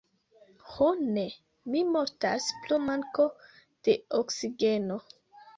Ho ne! Mi mortas pro manko de oksigeno!